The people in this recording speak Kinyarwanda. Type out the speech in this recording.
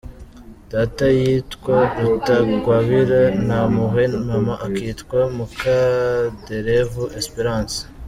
Data yitwa Rutagwabira Ntampuhwe mama akitwa Mukaderevu Esperanse.